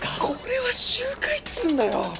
これは集会っつうんだよ。